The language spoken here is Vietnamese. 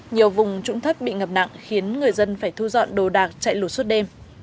nhiều vùng trũng thấp bị ngập nặng khiến người dân phải thu dọn đồ đạc chạy lụt suốt đêm